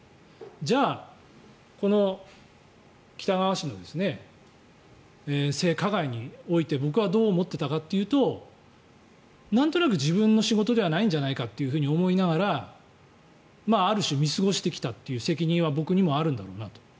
じゃあこの喜多川氏の性加害において僕はどう思ってたかっていうとなんとなく自分の仕事ではないんじゃないかなと思いながらある種見過ごしてきた責任というのは僕にもあるんだろうなと。